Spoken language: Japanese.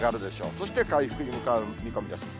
そして回復に向かう見込みです。